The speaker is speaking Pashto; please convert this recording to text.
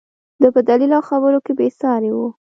دى په دليل او خبرو کښې بې سارى و.